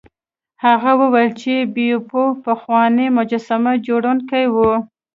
هغه وویل چې بیپو پخوانی مجسمه جوړونکی و.